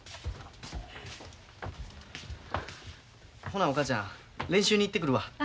ほなお母ちゃん練習に行ってくるわ。